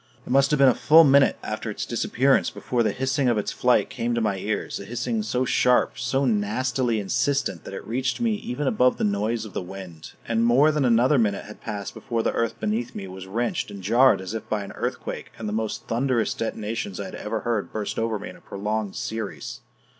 It must have been a full minute after its disappearance before the hissing of its flight came to my ears a hissing so sharp, so nastily insistent that it reached me even above the noise of the wind. And more than another minute had passed before the earth beneath me was wrenched and jarred as if by an earthquake and the most thunderous detonations I had ever heard burst over me in a prolonged series.